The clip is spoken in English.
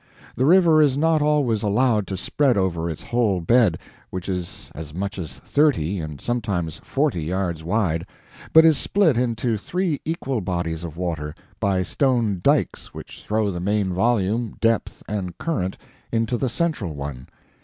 The river is not always allowed to spread over its whole bed which is as much as thirty, and sometimes forty yards wide but is split into three equal bodies of water, by stone dikes which throw the main volume, depth, and current into the central one.